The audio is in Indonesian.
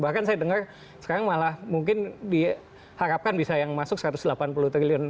bahkan saya dengar sekarang malah mungkin diharapkan bisa yang masuk satu ratus delapan puluh triliun